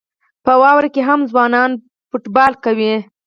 په واورو کې هم ځوانان فوټبال کوي.